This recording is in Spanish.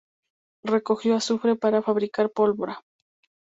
Recogió azufre para fabricar pólvora.